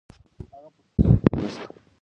هغه پر څوکۍ کښېناست.